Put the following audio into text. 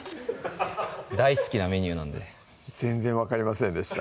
大好きなメニューなんで全然分かりませんでした